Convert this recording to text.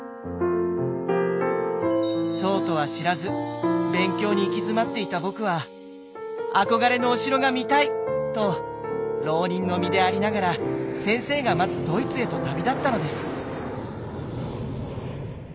そうとは知らず勉強に行き詰まっていた僕は「憧れのお城が見たい！」と浪人の身でありながら先生が待つドイツへと旅立ったのです。